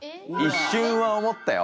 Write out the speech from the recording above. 一瞬は思ったよ